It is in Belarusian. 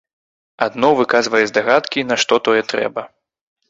Адно выказвае здагадкі, нашто тое трэба.